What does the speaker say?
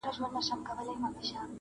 د هوا نه یې مرګ غواړه قاسم یاره